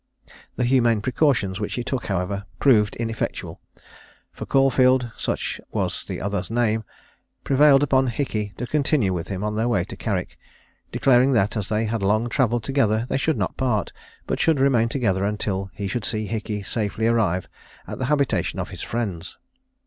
The humane precautions which he took, however, proved ineffectual; for Caulfield (such was the other's name) prevailed upon Hickey to continue with him on their way to Carrick, declaring that, as they had long travelled together they should not part, but should remain together until he should see Hickey safely arrive at the habitation of his friends.